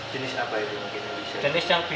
jenis apa itu mungkin yang bisa